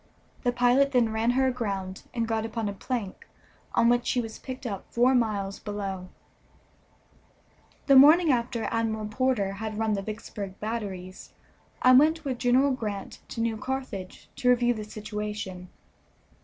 The pilot then ran her aground, and got upon a plank, on which he was picked up four miles below. The morning after Admiral Porter had run the Vicksburg batteries I went with General Grant to New Carthage to review the situation.